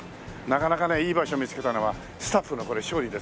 なかなかねいい場所を見つけたのはスタッフのこれ勝利ですね。